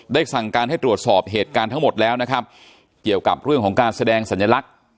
สั่งการให้ตรวจสอบเหตุการณ์ทั้งหมดแล้วนะครับเกี่ยวกับเรื่องของการแสดงสัญลักษณ์